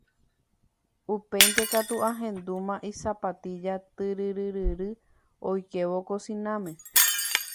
upéinte katu ahendúma isapatilla tyryryryry oikévo kosináme.